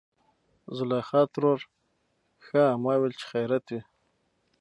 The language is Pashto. زليخا ترور :ښا ما ويل چې خېرت وي.